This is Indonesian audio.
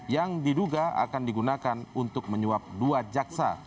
yang diduga akan digunakan untuk menyuap dua jaksa